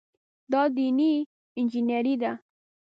دا دیني انجینیري ده.